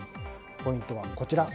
ポイントはこちら。